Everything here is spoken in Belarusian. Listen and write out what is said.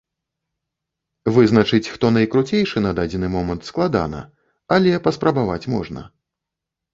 Вызначыць, хто найкруцейшы на дадзены момант, складана, але паспрабаваць можна.